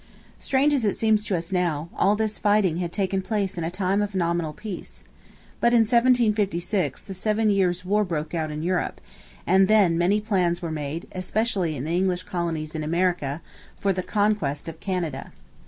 Strange as it seems to us now, all this fighting had taken place in a time of nominal peace. But in 1756 the Seven Years' War broke out in Europe, and then many plans were made, especially in the English colonies in America, for the conquest of Canada.